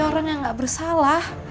orang yang gak bersalah